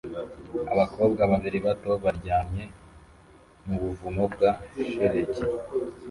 Abakobwa bakiri bato baryamye mu buvumo bwa shelegi